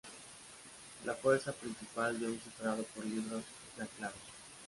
La fuerza principal de un cifrado por libro es la clave.